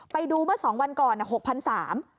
ไปดูเมื่อสองวันก่อน๖๓๐๐บาท